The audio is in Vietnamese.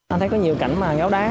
anh thấy có nhiều cảnh mà ngáo đá